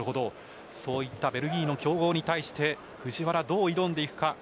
そういったベルギーの強豪に対して藤原、どう挑んでいくか。